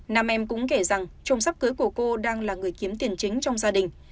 nam em cũng kể rằng trôm sắp cưới của cô đang là người kiếm tiền chính trong gia đình